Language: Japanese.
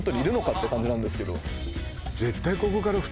って感じなんですけど